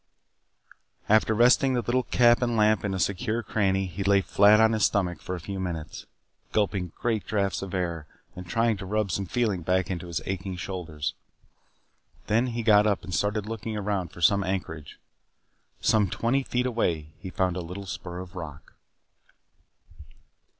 After resting the little cap and lamp in a secure cranny he lay flat on his stomach for a few minutes, gulping great draughts of air and trying to rub some feeling back into his aching shoulders. Then he got up and started looking about for some anchorage. Some twenty feet away, he found a little spur of rock.